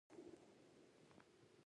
ګورنر جنرال ته رپوټ ورکړه شو.